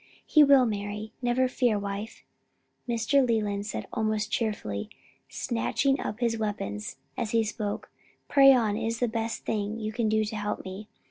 "He will, Mary, never fear, wife," Mr. Leland said almost cheerfully, snatching up his weapons as he spoke. "Pray on, it's the best thing you can do to help me."